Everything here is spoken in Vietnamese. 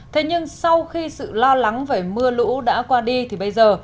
thế nhưng sau khi sự lo lắng về mưa lũ đã qua đi thì bây giờ